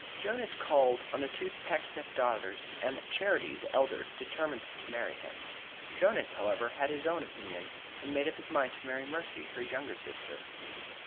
Jonas called on the two Pecksniff daughters, and Charity, the elder, determined to marry him. Jonas, however, had his own opinion, and made up his mind to marry Mercy, her younger sister.